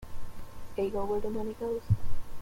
They go where the money goes.